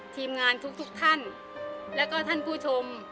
ทีมงานทุกท่านแล้วก็ท่านผู้ชม